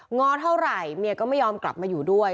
ง้อเท่าไหร่เมียก็ไม่ยอมกลับมาอยู่ด้วย